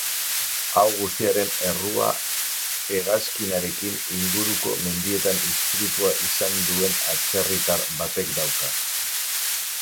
Hau guztiaren errua hegazkinarekin inguruko mendietan istripua izan duen atzerritar batek dauka.